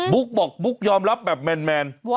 บอกบุ๊กยอมรับแบบแมน